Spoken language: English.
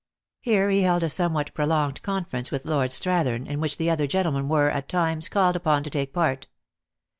Here he held a somewhat prolonged conference with Lord Strathern, in which the other gentlemen were, at times, called upon to take part.